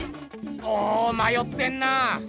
おおまよってんな。